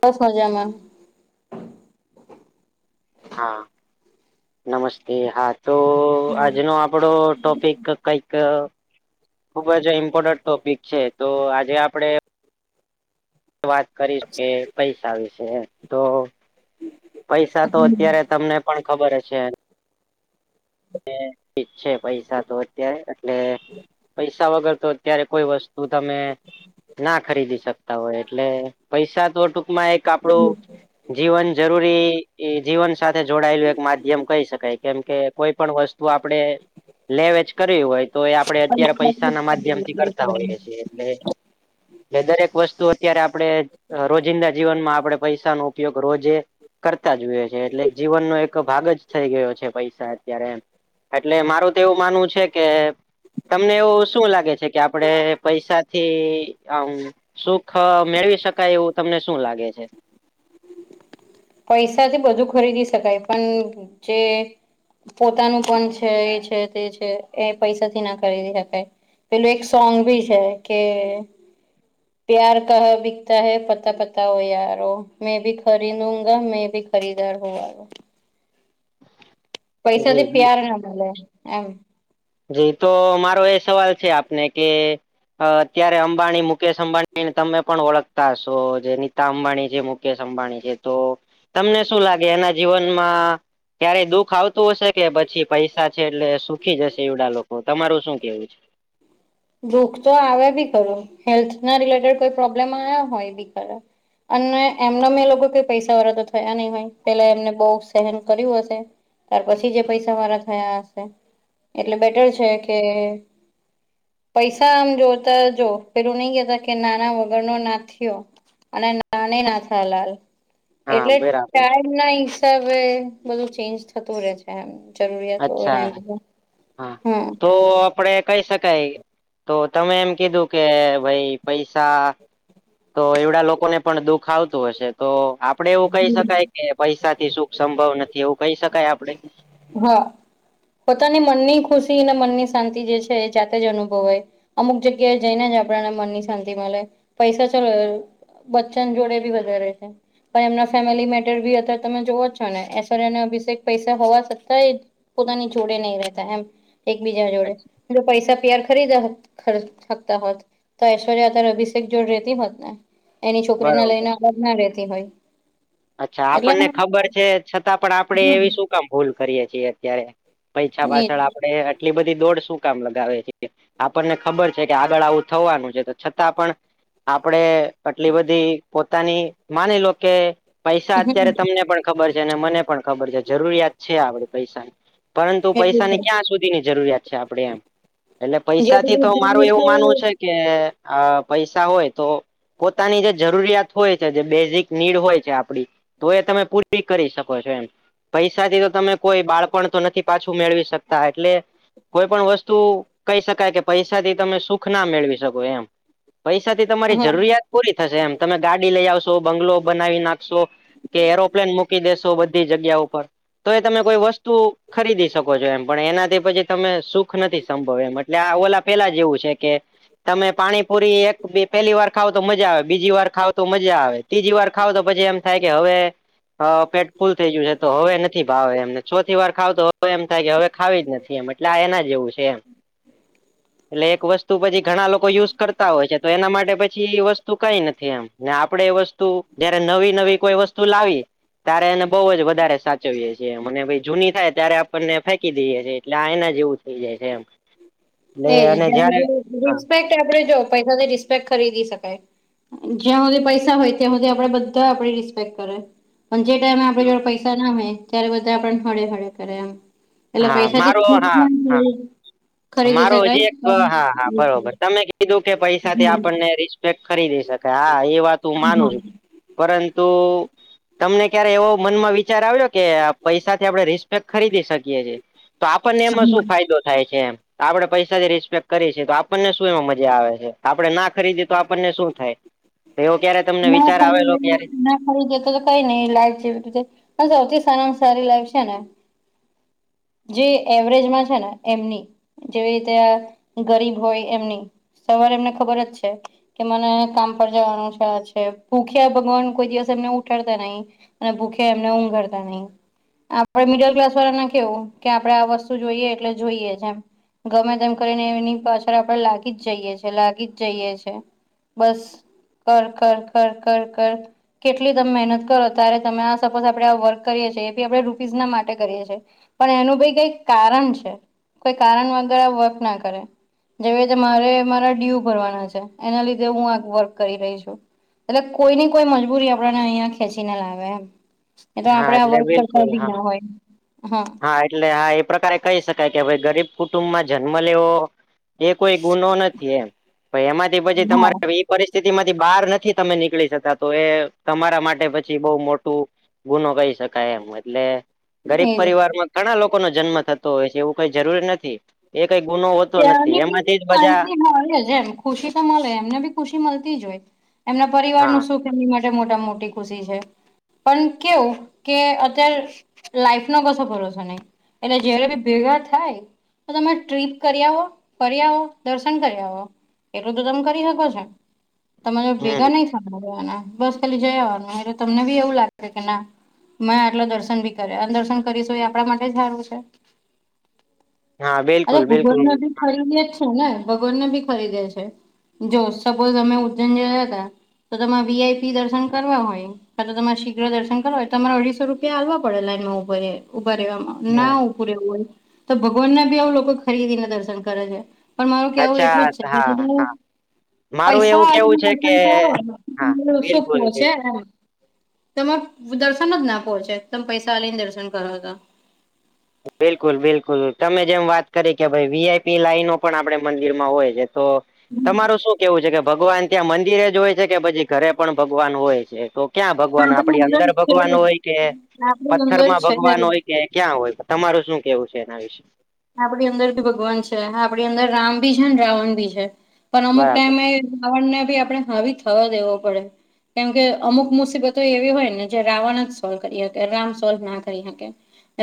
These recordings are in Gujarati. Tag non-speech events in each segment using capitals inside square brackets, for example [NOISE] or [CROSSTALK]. બસ મજામાં. હા નમસ્તે હા તો હમ આજનો આપણો ટોપિક. કઈક ખુબ જ ઇમ્પોર્ટન્ટ ટોપિક છે તો આજે આપડે. વાત કરીશ કે પૈસા વિશે તો. પૈસા તો અત્યારે તમને પણ ખબર હ છે. ઠીક છે પૈસા તો અત્યારે એટલે પૈસા વગર તો. અ્યારે કોઈ વસ્તુ તમે. ના ખરીદી શકતા હોય એટલે પૈસા તો ટૂંકમાં એક આપડું. જીવન જરૂરી જીવન સાથે જોડાયેલું એક માધ્યમ કહી શકાય કેમ કે કોઈ પણ વસ્તુ. તો આપડણે. લેવેજ કર્યું હોય તો એ આપડે અત્યારે પૈસા ના માધ્યમ થી કરતા હોઈએ છીએ એટલે. [INAUDIBLE] એ દરેક વસ્તુ અત્યારે આપડણે રોજિંદા જીવનમાં આપડે પૈસા નો ઉપયોગ રોજે. કરતા જો હોએ છે એટલે જીવનનો એક ભાગ જ થઈ ગયો છે પૈસા. ત્યારે એટલે મારું તો એવું માનવું છે કે. તમને એવું શું લાગે છે કે આપડે પૈસાથી. આમ સુખ મેળવી શકાય એવું તમને શું લાગે છે. પૈસાથી બધું ખરીદી શકાય પણ જે. પોતાનું પણ છે એ છે તે છે એ પૈસાથી ના ખરીદી શકાય. પેલું એક સોંગ ભી છે કે. પ્યાર ક બિકતા હૈ પતા પતા હો યાર મેં ભી ખરીદુ. મેં ભી ખરીદાર હોવા. પૈસાથી જી પ્યાર ના મળે એમ. જી તો મારો એ સવાલ છે આપને કે. અ અત્યારે અંબાણી મુકેશ અંબાણીને તમે પણ ઓળખતા હશો જે નીતા અંબાણી છે. મુંકેશ અબાની છે તો તમને શું લાગે એના જીવનમાં ક્યારે દુખ આવ હશે કે પછી પૈસા છે એટલે સુખી જશે એવડા લોકો તમારું શું કેવું છે. ભુખ તો આવે બી કરું હેલ્થ ના રિલેટેડ કોઈ પ્રોબ્લેમ આવ્યા હોય બી કરે. અને એમને મેં લોકો કે પૈસા વાળા તો થયા નહી હોય પેલા એમને બહ સહેન કર્યું હશે. ત્યાર પછી જે પૈસા મારા થયા હશે એટલે બેટર છે કે. પૈસા આમ જોતા જો પેલું નહી કેતા કે નાના વગરનો ના થયો. અને નાની ના થા લાલ. હા એટલે બરાબર ટાઈમ ના હિસાબે બધું ચેન્જ થતું રહેે છે. એ જરૂરિયાતો ને અચ્છા બધું હા હમ. તો આપડે કહી શકાય તો તમે એમ કીધું કે ભાઈ પૈસા તો એવડા લોકોને પણ દુઃખ આવતું હશે તો આપડે એવું કહી શકાય કે પૈસા થી સુખ સંભવ નથી એવું કહી શકાય આપડે? હા. પોતાની મનની ખુશી અને મનની શાંતિ જે છે એ જાતે જ અનુભવાય. અમુક જગ્યાએ જઈને જ આપણને મનની શાંતિ મળે પૈસા ચાલ બચ્ચન જોડે ભી વધારે છે. પણ એમના ફેમિલી મેટર ભી અત્યારે તમે જોવો જ છો ને એશ્વર્ય અને અભિષેક પૈસા હોવા છતાં એ પોતાની જોડે નહીં રહેતા એમ એકબીજા જોડે. જો પૈસા પ્યાર ખરીદા ખરી શકતા હોત તો ઐશ્વર્ય અત્યારે અભિષેક જોડ રેતી હોત ને એની છોકરીને બરોબર લઈને અલગ ના રેતી હોય. અચ્છા એટલે આપણને આમ ખબર છે છતાં પણ આપણે હમ, એવી શું કામ ભૂલ કરીએ છીએ અત્યારે. પૈછા એ પાછળ આપડે આટલી બધી દોડ શું કામ લગાવે છે. આપણને ખબર છે કે આગળ આવું થવાનું છે તો છતાં પણ આપડે આટલી બધી પોતાની માની લો કે પૈસા અત્યારે તમને પણ ખબર છે અને મને પણ ખબર છે જરૂરિયાત છે આપડ પૈસાની. પરંતુ એટલું છે પૈસાની ક્યાં સુધીની જરૂરિયાત છે આપડે એમ. એટલે પૈસા જ્યાં થી તો સુધી જે મારું એવું માનવું દિવસો છે કે પૈસા હોય તો પોતાની જે જરૂરિયાત હોય છે જે બેઝિક નીડ હોય આપડી તો એ તમે પૂરી કરી શકો છો એમ. પૈસા થી તો તમે કોઈ બાળપણ તો નથી પાછું મેળવી શકતા એટલે કોઈ પણ વસ્તુ કહી શકાય કે પૈસા થી તમે સુખ ના મેળવી શકો એમ. પૈસા થી તમારી હા જરૂરિયાત પૂરી થશે એમ તમે ગાડી લઈ આવશો બંગલો બનાવી નાખ કે એરોપ્લેન મૂકી દેેશો બધી જગ્યા ઉપર તો એ તમે કોઈ વસ્તુ ખરીદી શકો છો એમ પણ એનાથી પછી તમે સુખ નથી સંભવ એમ એટલે આ ઓલા પેલા જેવું છે કે તમે પાણીપુરી એક પહેલી વાર ખાવ તો મજા આવે બીજી વાર ખાવ તો મજા આવે ત્રીજી વાર ખાવ તો પછી એમ થાય કે હવે હ પેટ ફૂલ થઈ ગયું છે તો હવે નથી ભાવે એમને ચોથી વાર ખાવ તો હવે એમ થાય કે હવે ખાવી જ નથી. એમ એટલે આ એના જેવું છે એમ. એટલે એક વસ્તુ પછી ઘણા લોકો યુઝ કરતા હોય છે તો એના માટે પછી એ વસ્તુ કઈ નથી એમ આપડે એ વસ્તુ જયારે નવી નવી કોઈ વસ્તુ લાવી તારે એને બહુ જ વધારે સાચવીએ છીએ મને ભાઈ જૂની થાય ત્યારે આપણને ફેંકી દઈએે છીએ એટલે આ એના જેવું થઈ જાય છે એમ. એજ એટલે અને જયારે હા રિસ્પેક્ટ આપડે જો પૈસાથી રિસ્પેકટ ખરીદી શકાય. જ્યાં સુધી પૈસા હોય ત્યાં સુધી આપડે બધા આપણી રિસ્પેક્ટ કરે. પણ જે ટાઈમે આપડે જો પૈસા ના હોય ત્યારે બધા આપડ હળે હળે કરે એમ. એટલે હા પૈસાથી મારો હા હા ખરીદી મારો શકાય હજી એક ના હા હા બરોબર તમે કીધું કે પૈસાથી આપણને રિસ્પેક્ટ ખરીદી શકાય હા એ વાત હું માનું છું પરંતુ તમને ક્યારે એવો મનમાં વિચાર આવયો કે પૈસાથી આપડણે રિસ્પેક્ટ ખરીદી શકીએ છીએ. તો આપણને એમાં શું ફાયદો થાય છે એમ આપણે પૈસા જે રિસ્પેક્ટ કરીએ છે તો આપણને શું એમાં મજા આવે છે આપણે ના ખરીદીએ તો આપણને શું થાય એવો ક્યારે તમને વિચાર આવેલો ક્યારે મરી જતો તો કઈ નઈ લાઈફ જેવી રીતે પણ સૌથી સારામાં સારી લાઈફ છે ને જે એવરેજમાં છે ને એમની જેવી રીતે આ ગરીબ હોય એમની. સવારે એમને ખબર જ છે. કે મને કામ પર જવાનું છે આ છે ભૂખ્યા ભગવાન કોઈ દિવસ એમને ઉઠાતા નહીં. અને ભૂખે એમને ઊંઘરતા નહીં આપણે મિડલ ક્લાસ વાળા ના કેવું કે આપડણે આ વસ્તુ જોઈએ એટલે જોઈએ જ એમ. ગમે તેમ કરીને એની પાછળ આપડે લાગી જ જઈએ છેીએ લાગી જ જઈએ છે બસ કર કર કર કર કર કેટલી તમે મહેનત કરો ત્યારે તમે આ સપોઝ આપણેે વર્ક કરીએ છીએ એ બી આપડે રૂપીઝ ના માટે કરીએ છીએ પણ એનું ભાઈ કઈ કારણ છે કોઈ કારણ વગર વર્ક ના કરે જેવીતે મારે મારા ડ્યુ ભરવાના છે એના લીધે હું આ વર્ક કરી રહી છું એટલે કોઈ ની કોઈ મજબૂરી આપણને અહિયાયા ખેંચીને લાવે એમ એ તો હા આપણે એટલે વર્ક કરતા બિલકુલ ભી હા. ના હોય હા હા એટલે હા એ પ્રકારે કહી શકાય કે ભાઈ ગરીબ કુટુંબમાં જન્મ લેવો એ કોઈ ગુનો નથી એમ એમાંથી પછી હા તમારે પરિસ્થિતિ માંથી બહાર નથી તમે નીકળી શતા તો એ તમારા માટે પછી બહ મોટું ગુનો કહી શકાય એમ એટલે ગરીબ એજ પરિવારમાં ઘણા લોકો નો જન્મ થતો હોય છે એવું કઈ જરૂરી નથી એ કઈ ગુનો નથી ત્યાની બી એમાંથી જ બધા શાંતિ મળે છે એમ ખુશી તો મળે એમને બી ખુશી મળતી જ હોય એમના પરિવાર ન હા સુખ એની માટે મોટા મોટી ખુશી છે પણ કેવું કે અત્યારે લાઈફ નો કો ભરોસો નહી એટલે જય્યારે બી ભેગા થાય તો તમે ટ્રીપ કરી આવો ફ આવો દર્શન કરી આવો એટલું તો તમે કરી શકો છો તમે જો હમ ભેગા નઈ સાભ્યા એના બસ ખાલી જયાવાનું એટલે તમને બી એવું લાગે કે ના મેં આટલો દર્શન બી કરે અને દર્શન કરીશું એ આપણા માટે સારું છે હા બલક ભગવાન ને ભી ખરીદે જ છે ને ભગવાનને ભી ખરીદે છે જો સપોઝ અમે ઉજ્જૈનયા હતા તો તમારે વીઆઈપી દર્શન કરવા હોય કા તો તમારે શીઘ્ર દર્શન કરો હોય તો તમારે અઢીો રૂપિયા હાલવા પડેલાનમાં ઉ ઉભા રહેવામાં હમ ના ઉપું રહેવું હોય તો ભગવાન ના બી આવું લોકો ખરીદીને દર્શન કરે છે પણ મારું કેવું એટલું અચ્છા જ હા છે કેું હા મારું એવું કેવું છે કે પૈસાસન હા કરો શું પો બિલકુલ બિલકુલ છે તમારે દર્શન જ ના પહોંચે તમે પૈસા લઈ ને દર્શન કરો તો બિલકુલ બિલકુલ તમે જેમ વાત કરી કે ભાઈ વીઆઈપી લાઈનો પણ આપે મંદિરમાં હોય છે તો તમારું શું કેવું છે કે ભગવાન ત્યાં મંદિરે જ હોય છે કે પછી ઘરે પણ ભગવાન હોય છે તો ક્યાં ભગવાન આપણી આપડી અંદર છે ભગવાન હોય કે આપણી પથ્થર અંદર માં ભગવાન છે હોય કે ક્યાં હોય તમારું શું કેવું છે એના વિશે આપણી અંદર ભગવાન છે આપણી અંદર રામ ભી છે રાવણ બી છે પણ અમુક બરાબર ટાઈમે ણ ને ભી આપણે હાવી થવા દેવો પડે કેમ કે અમુક મુસીબતો એવી હોય ને જે રાવણ જ સોલ્વ કરી શકે રામ સોલ્વ ના કરી શકે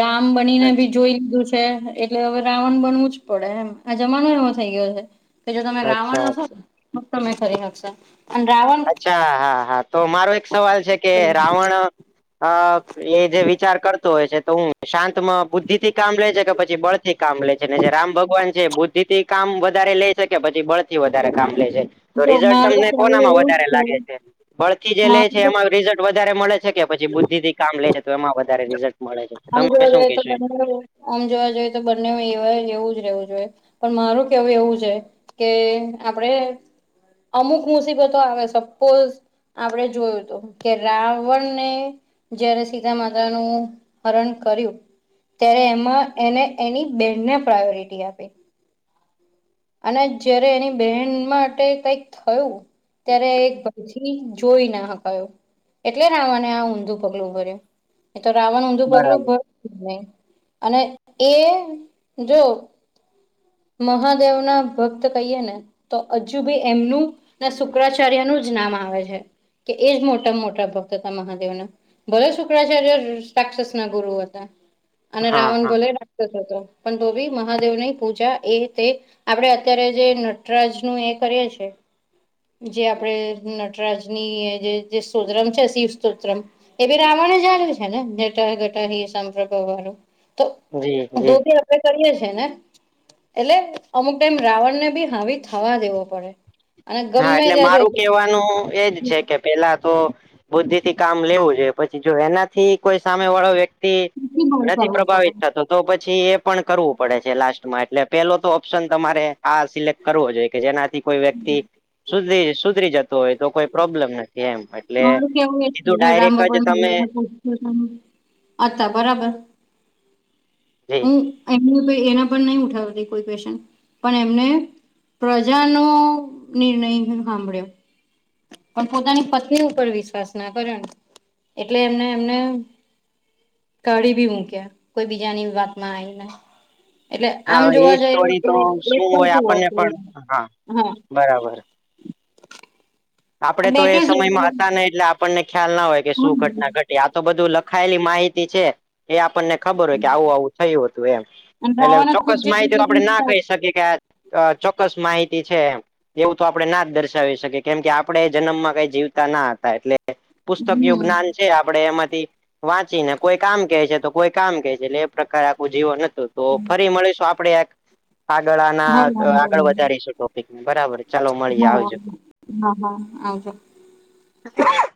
રામ બનીને ભી અચ્છા જોઈ લીધું છે એટલે હવે રાવણ બનવું જ પડે એમ આ જમાનો એવો થઈ ગયો છે કે જો તમે અચ્છા રાવણ હશો અચ્છા. ને તમે ફરી હકશે અચ્છા હા હા તો મારો એક સવાલ છે કે રાવણ હ એ જે વિચાર કરતો હોય છે તો હું શાંતમાં બુદ્ધિ થી કામ લે છે કે પછી બળ થી કામ લે છે ને જે રામ ભગવાન છે બુદ્ધ કામ વધારે લે છે કે પછી બળથી વધારે કામ લે શ તો જો રિઝલ્ટ મારું તો તમને કહેવું કોનામાં એવું જ વધારે લાગે છે બળ થી જે લે મારું છે તો એમાં રિઝલ્ટ વધારે મળે છે કે પછી બુદ્ધિ થી કામ લે છે. તો એમાં વધારે રીઝલ્ટ હમુરવેતો બંગ આમ જોવા જોઈએ તો બંને એ એવું જ રહેવું જોઈએ પણ મારું કેવું એવું છે કે આપડે અમુક મુસીબતો આવે સપોઝ આપણે જોયું તોું કે રાવણને જયારે સીતા માતાનુંું હરણ કર્યું ત્યારે એમાં એને એની બેનને પ્રાયોરિટી આપી અને જયારે એની બહેન માટે કઈક થયું. ત્યારે એક ભાઈ જોઈ ના હકાયો. એટલે રાવણે આ ઊંધું પગલું ભર્યું એ તો રાવણ ઊંધું પગલું બરાબર ભર્યું. અને એ જો મહાદેવ ના ભક્ત કહીએ ને. તો હજુ બી એમનું ના શુક્રાચાર્યનું જ નામ આવે છે. કે એજ મોટા મોટા ભક્ત હતા મહાદેવનાં. ભલે શુક્રાચાર્ય સાક્ષસ ના ગુરુ હતા. અને હા રાવણ હા ભલે રાક્ષસ હતો પણ તો બી મહાદેવ ની પૂજા એ તે આપડે અત્યારે જે નટરાજ નું એ કરીએ છે. જે આપડે નટરાજની જે સ્ત્રમ છે શિવિવ સ્તોત્રમ એ રાવણે જાણ્યું છે ને જટા ઘટા સંપ્ર વાળું તો જી દો જી ત આપ કરીએ છે ને એટલે અમુક ટાઈમ રાવણને બી હાવી થવા દેવો પડે. અને હા ગમે એટલે ત્યાં મારું જોતું કેવાનું એજ છે કે પેલા તો બુદ્ધિ થી કામ લેવું જોએ પછી જો એનાથી કોઈ સામે વાળો વ્યક્તિ નથી કરવું પડે પ્રભાવિત થતો તો પછી એ પણ કરવું પડે છે લાસ્ટમાં એટલે પેલો તો ઓપ્શન તમારે આ સિલેક્ટ કરવો જોઈએ કે જેનાથી કોઈ વ્યક્તિ સુધરી સુધરી જતો હોય તો કોઈ પ્રોબ્લેમ નથી એમ એટલે મારું એ તો ડાયરેક્ટ જ તમે. અછા બરાબર જમ [INAUDIBLE] હું એમને એના પણ નહી ઉઠાવતી કોઈ પેશન્ટ પણ એમને પ્રજાનો નિર્ણય ન‌ઇ હાભળ્યો પણ પોતાની પત્ની ઉપર વિશ્વાસ ના કર્યો એટલે એમને એમને કાઢી ભી મૂક્યા કોઈ બીજાની વાત માં આવી ને એટલે આમ હા એ જોવા જઈએ તો સ્ટોરી શું હોય ખોટું આપણને હતું એમ પણ હા બરાબર આપડે તો બેઠો એ છે સમયમાં એટલે હતા ને એટલે આપણને ખ્યાલ ના હોય કે શું હમ ઘટના ઘટી આ તો બધું લખ ખાયલી માહિતી છે એ આપણને ખબર હોય કે આવું આવું થયું હતું એમ અને એટલે રાવાને ખુદ ચોક્કસ જે માહિતી તો આપડણે ના કહી શકીએ કે અ ચોક્કસ માહિતી છે એવું તો આપડણે ના જ દર્શાવી શકીએ કેમ કે આપણેે જન્મમાં કઈ જીવતા ના હતા એટલે પુસ્તક યું હમ જ્ઞાન આપડે એમાંથી વાંચીને કોઈ આમ કે છે તો કોઈ આમ કે છે એટલે એ પ્રકાર આખું જીવો નથી. તો ફરી મળીશું આપડે એક હ આગળના વાંધો આગળ નહી વધારીશું ટોપિકને બરાબર છે. હા હા હા આજ હ [INAUDIBLE]